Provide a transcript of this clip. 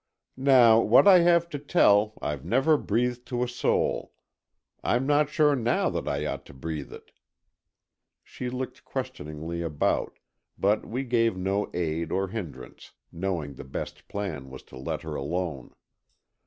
"Now, what I have to tell, I've never breathed to a soul. I'm not sure now that I ought to breathe it." She looked questioningly about, but we gave no aid or hindrance, knowing the best plan was to let her alone.